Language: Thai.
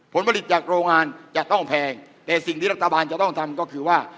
ผลผลิตจากโรงงานจะต้องแพงแต่สิ่งที่รัฐบาลจะต้องทำก็คือว่า